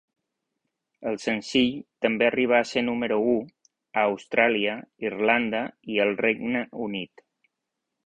El senzill també arribà a ser número u a Austràlia, Irlanda i al Regne Unit.